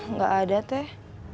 nggak ada teh